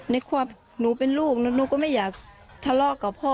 ในความหนูเป็นลูกหนูก็ไม่อยากทะเลาะกับพ่อ